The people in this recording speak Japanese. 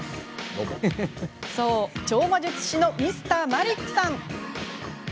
そう、超魔術師のＭｒ．マリックさんです。